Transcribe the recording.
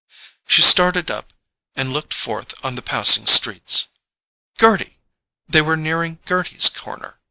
She started up and looked forth on the passing streets. Gerty!—they were nearing Gerty's corner.